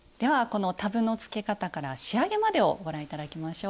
このタブのつけ方から仕上げまでをご覧頂きましょう。